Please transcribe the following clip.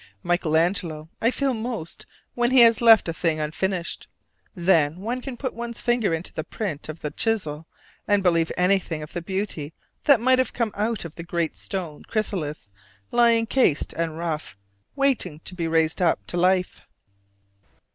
Michel Angelo I feel most when he has left a thing unfinished; then one can put one's finger into the print of the chisel, and believe anything of the beauty that might have come out of the great stone chrysalis lying cased and rough, waiting to be raised up to life.